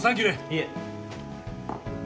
いえ。